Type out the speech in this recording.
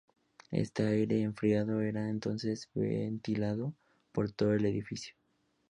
Este aire enfriado era entonces ventilado por todo el edificio.